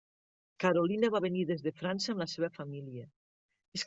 Carolina va venir des de França amb la seva família.